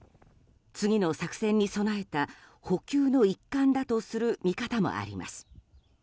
次の作戦に備えた補給の一環だとする見方もあります。